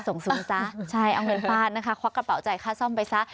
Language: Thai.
ส่งสูงซะใช่เอาเงินฟาดนะคะควักกับเปล่าใจค่าซ่อมไปซะ